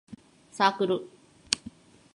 サークル